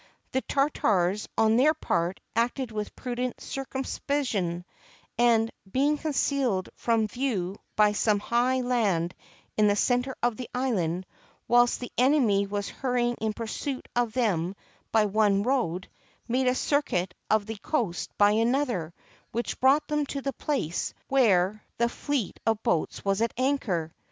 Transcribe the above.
The Tar tars, on their part, acted with prudent circumspection, and, being concealed from view by some high land in the center of the island, whilst the enemy were hurry ing in pursuit of them by one road, made a circuit of the coast by another, which brought them to the place where 323 JAPAN the fleet of boats was at anchor.